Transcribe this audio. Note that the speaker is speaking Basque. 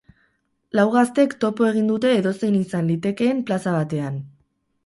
Lau gaztek topo egin dute edozein izan litekeen plaza batean.